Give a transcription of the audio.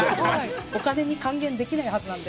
お金に還元できないはずなんで。